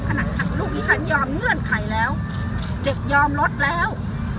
ผนักทักลูกที่ฉันยอมเงื่อนไขแล้วเด็กยอมรถแล้ว